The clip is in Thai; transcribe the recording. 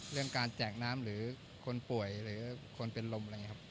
เรื่องการแจกน้ำหรือคนป่วยหรือคนเป็นลม